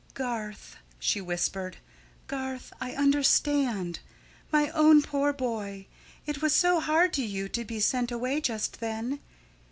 "Garth," she whispered, "Garth, I UNDERSTAND. My own poor boy, it was so hard to you to be sent away just then.